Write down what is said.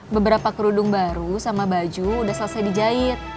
beberapa kerudung baru sama baju udah selesai dijahit